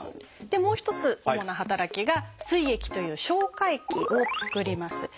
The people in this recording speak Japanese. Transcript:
でもう一つ主な働きが「すい液」という消化液を作ります。